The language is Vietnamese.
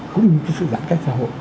cũng như cái sự giãn cách xã hội